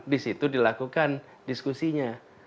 di situ dilakukan diskusinya